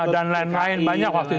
dan lain lain banyak orang tuanya